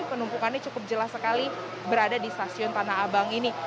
penumpukannya cukup jelas sekali berada di stasiun tanah abang ini